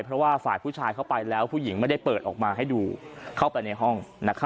เพราะว่าฝ่ายผู้ชายเข้าไปแล้วผู้หญิงไม่ได้เปิดออกมาให้ดูเข้าไปในห้อง